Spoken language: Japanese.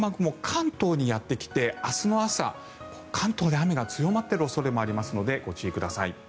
関東にやってきて明日の朝、関東で雨が強まっている恐れもありますのでご注意ください。